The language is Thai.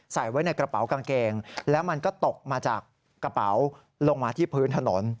ใส่ไว้ในกระเป๋ากางเกงแล้วมันก็ตกมาจากกระเป๋าลงมาที่พื้นถนน